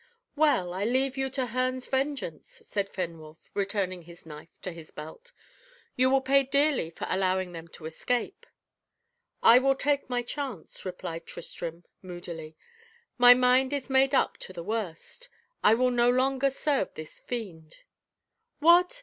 "Well, I leave you to Herne's vengeance," said Fenwolf, returning his knife to his belt. "You will pay dearly for allowing them to escape." "I will take my chance," replied Tristram moodily: "my mind is made up to the worst. I will no longer serve this fiend." "What!